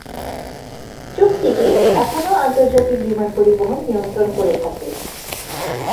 চুক্তিটি এখনো আন্তর্জাতিক বিমান পরিবহন নিয়ন্ত্রণ করে থাকে।